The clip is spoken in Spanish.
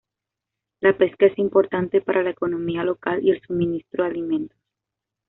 La pesca es importante para la economía local y el suministro de alimentos.